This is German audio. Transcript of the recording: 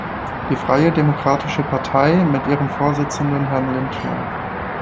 Die freie Demokratische Partei mit ihrem Vorsitzenden Herrn Lindner.